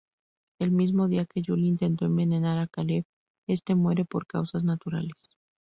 El mismo día que Julie intento envenenar a Caleb, este muere por causas naturales.